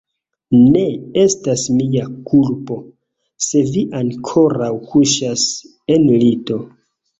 Ne estas mia kulpo, se vi ankoraŭ kuŝas en lito.